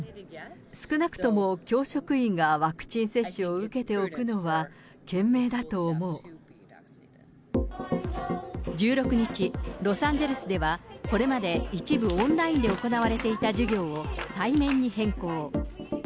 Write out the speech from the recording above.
少なくとも教職員がワクチン接種を受けておくのは、１６日、ロサンゼルスでは、これまで一部オンラインで行われていた授業を対面に変更。